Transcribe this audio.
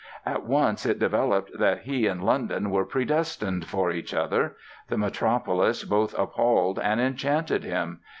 At once it developed that he and London were predestined for each other. The metropolis both appalled and enchanted him.